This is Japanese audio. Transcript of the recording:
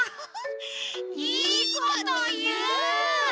いいこという！